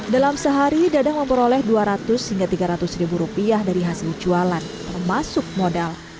dalam sehari dadang memperoleh dua ratus hingga tiga ratus ribu rupiah dari hasil jualan termasuk modal